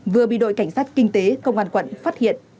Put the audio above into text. vừa bị đội cảnh sát kinh tế công an quận phát hiện